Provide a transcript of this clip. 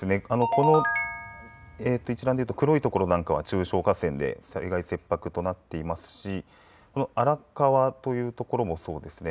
この一覧でいうと暗い所なんかは中小河川で災害切迫となっていますし荒川という所もそうですね。